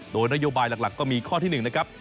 โดยนโยบายหลักก็มีข้อที่๑นะครับ